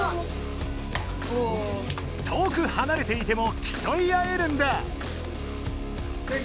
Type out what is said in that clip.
とおくはなれていてもきそいあえるんだ！